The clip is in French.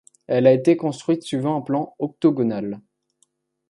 Elle a été construite suivant un plan octogonal.